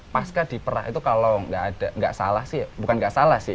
pasca diperah itu kalau tidak ada tidak salah sih bukan tidak salah sih